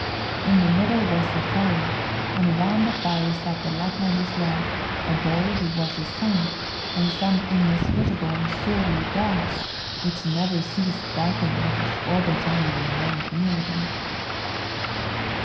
In the middle was the fire, and around the fire sat the Laplander's wife, a boy, who was his son, and some inhospitable and surly dogs, which never ceased barking at us all the time we remained near them.